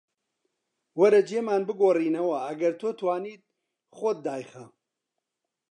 وەرە جێمان بگۆڕینەوە، ئەگەر تۆ توانیت خۆت دایخە